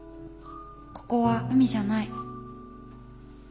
ここは海じゃない。